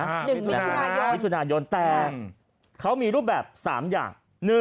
๑มิถุนายนมิถุนายนแต่เขามีรูปแบบ๓อย่าง